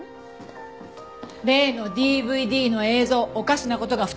例のＤＶＤの映像おかしな事が２つあった。